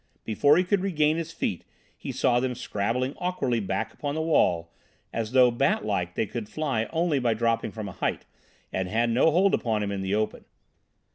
Before he could regain his feet he saw them scrabbling awkwardly back upon the wall, as though bat like they could only fly by dropping from a height, and had no hold upon him in the open.